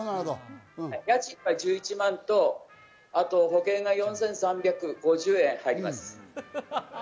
家賃は１１万とあと保険が４３５０円入ります。